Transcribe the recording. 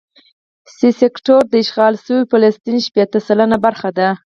سي سیکټور د اشغال شوي فلسطین شپېته سلنه برخه ده.